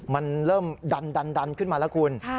มันเริ่มดันขึ้นมาแล้วคุณ